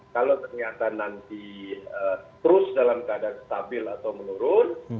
kalau ternyata nanti terus dalam keadaan stabil atau menurun